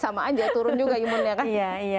sama aja turun juga imunnya kan